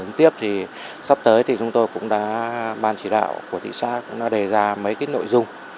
hướng tiếp thì sắp tới thì chúng tôi cũng đã ban chỉ đạo của thị xã cũng đã đề ra mấy cái nội dung